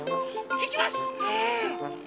いきます！